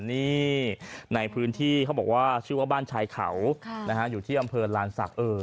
นี่ในพื้นที่เขาบอกว่าชื่อว่าบ้านชายเขาอยู่ที่อำเภอลานศักดิ์